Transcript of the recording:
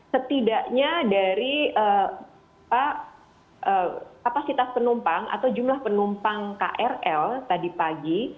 setidaknya dari kapasitas penumpang atau jumlah penumpang krl tadi pagi